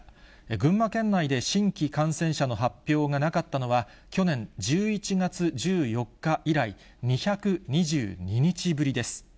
群馬県内で新規感染者の発表がなかったのは、去年１１月１４日以来、２２２日ぶりです。